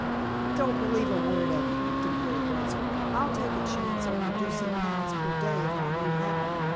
"Don't believe a word of it," declared Rosa. "I'd take a chance on reducing pounds per day if I knew how.